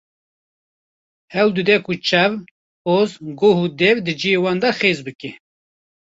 Hewl dide ku çav, poz, guh û dev di cihê wan de xêz bike.